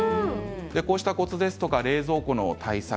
こうしたコツや冷蔵庫の対策